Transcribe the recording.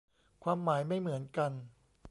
ความหมายไม่เหมือนกัน